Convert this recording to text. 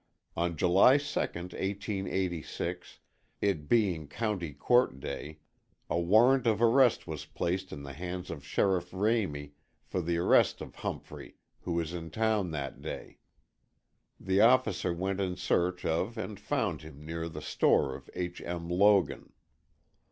On July 2nd, 1886, it being County Court day, a warrant of arrest was placed in the hands of Sheriff Ramey for the arrest of Humphrey, who was in town that day. The officer went in search of and found him near the store of H. M. Logan.